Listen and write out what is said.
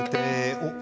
おっ！